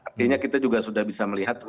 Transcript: artinya kita juga sudah bisa melihat